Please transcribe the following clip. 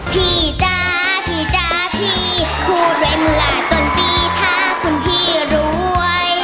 พี่จ๊าพี่จ๊าพี่พูดไว้เมื่อต้นปีถ้าคุณพี่รวย